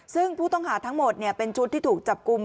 ซึ่งผู้ต้องหาทั้งหมดเป็นชุดที่ถูกจับกลุ่ม